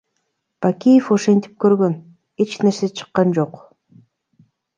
Бакиев ошентип көргөн, эч нерсе чыккан жок.